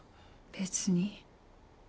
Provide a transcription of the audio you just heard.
別に。